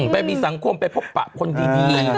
ไปมีสังคมไปพบปะคนดี